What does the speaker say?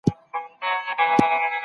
موږ د ټولنیزو ستونزو په اړه فکر کاوه.